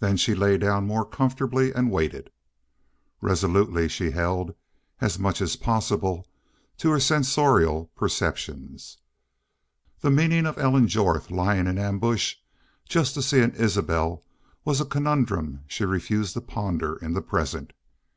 Then she lay down more comfortably and waited. Resolutely she held, as much as possible, to her sensorial perceptions. The meaning of Ellen Jorth lying in ambush just to see an Isbel was a conundrum she refused to ponder in the present.